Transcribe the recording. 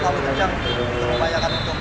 kalau terlalu kencang kita memperlayakan untuk